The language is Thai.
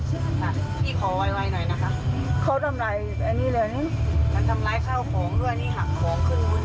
อีกครั้งมุมบ้านก็จะอยู่ในโลกโซเชียล